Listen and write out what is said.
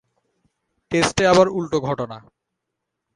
টেস্টে আবার উল্টো ঘটনা।